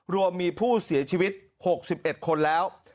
รวมมีผู้เสียชีวิต๖๑คนแล้ว